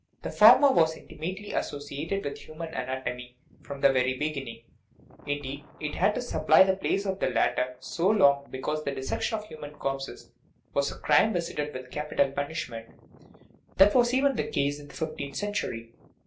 The former was intimately as sociated with human anatomy from the very beginning ; indeed, it had to supply the place of the latter so long because the dissection of human corpses was a crime visited with capital punishment that was the case even in the fifteenth century